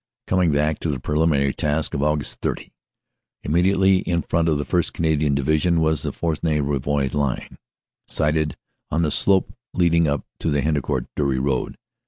"Coming back to the preliminary task of Aug. 30, immedi ately in front of the 1st. Canadian Division was the Fresnoy Rouvroy line, sited on the slope leading up to the Hendecourt Dury road.